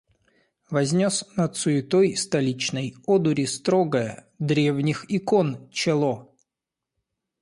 Вознес над суетой столичной одури строгое — древних икон — чело.